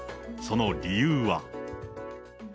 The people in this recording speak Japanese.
その理由は。